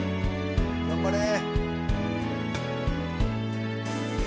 頑張れ。